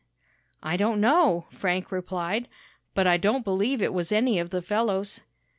"I don't know," Frank replied, "but I don't believe it was any of the fellows."